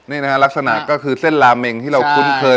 นี่นะฮะลักษณะก็คือเส้นลาเมงที่เราคุ้นเคย